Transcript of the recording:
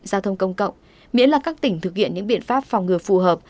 giao thông công cộng miễn là các tỉnh thực hiện những biện pháp phòng ngừa phù hợp